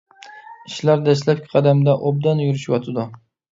ئىشلار دەسلەپكى قەدەمدە ئوبدان يۈرۈشۈۋاتىدۇ.